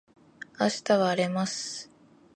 明日は荒れます